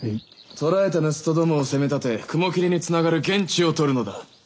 捕らえた盗人どもを責めたて雲霧につながる言質を取るのだ。